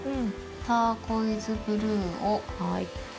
ターコイズブルーを。